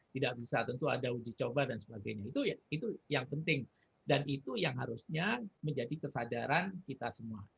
tidak bisa tentu ada uji coba dan sebagainya itu yang penting dan itu yang harusnya menjadi kesadaran kita semua